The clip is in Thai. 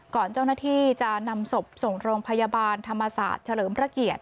ก่อนเจ้าหน้าที่จะนำศพส่งโรงพยาบาลธเฉลิมรักเกียรติ